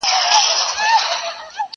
ماته جهاني د ګل پر پاڼو کیسې مه لیکه!